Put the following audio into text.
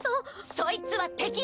そいつは敵よ！